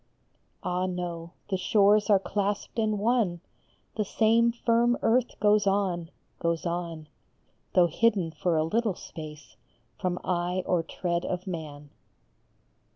Ah no ! the shores are clasped in one ; The same firm earth goes on, goes on, Though hidden for a little space From eye or tread of man.